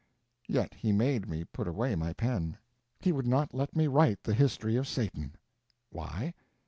Yet he made me put away my pen; he would not let me write the history of Satan. Why?